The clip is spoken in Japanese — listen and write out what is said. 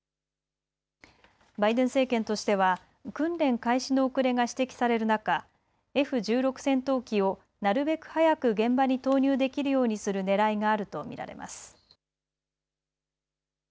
バイデン政権としては訓練開始の遅れが指摘される中、Ｆ１６戦闘機をなるべく早く現場に投入できるようにするねらいがあると見られます。